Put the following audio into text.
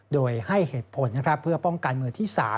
โดยให้เหตุผลเพื่อป้องกันมือที่๓